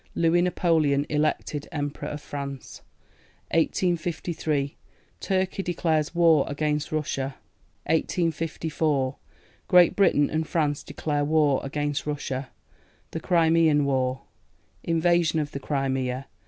Louis Napoleon elected Emperor of France. 1853. Turkey declares war against Russia. 1854. Great Britain and France declare war against Russia. THE CRIMEAN WAR. Invasion of the Crimea.